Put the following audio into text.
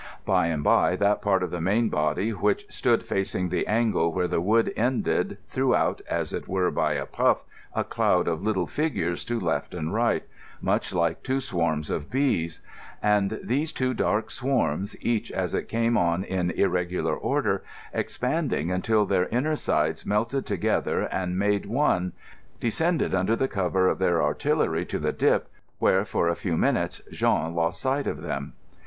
By and by that part of the main body which stood facing the angle where the wood ended threw out, as it were by a puff, a cloud of little figures to left and right, much like two swarms of bees; and these two dark swarms, each as it came on in irregular order, expanding until their inner sides melted together and made one, descended under cover of their artillery to the dip, where for a few minutes Jean lost sight of them.